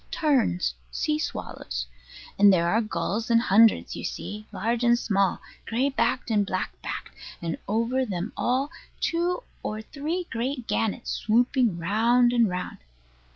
Terns sea swallows. And there are gulls in hundreds, you see, large and small, gray backed and black backed; and over them all two or three great gannets swooping round and round.